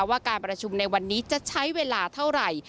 ว่าการประชุมในวันนี้จะใช้เวลาเท่าไหร่